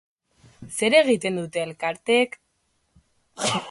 Zer egiten dute elkarteek?